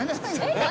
えっ！